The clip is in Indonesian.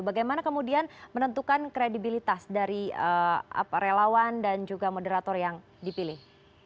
bagaimana kemudian menentukan kredibilitas dari relawan dan juga moderator yang dipilih